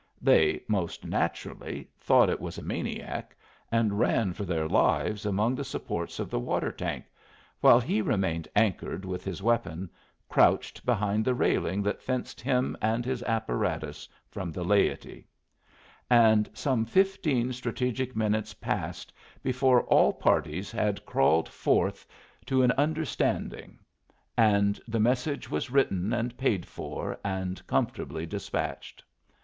They, most naturally, thought it was a maniac, and ran for their lives among the supports of the water tank, while he remained anchored with his weapon, crouched behind the railing that fenced him and his apparatus from the laity; and some fifteen strategic minutes passed before all parties had crawled forth to an understanding, and the message was written and paid for and comfortably despatched.